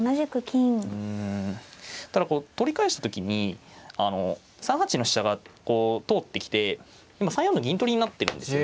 うんただこう取り返した時に３八の飛車がこう通ってきて今３四の銀取りになってるんですよ。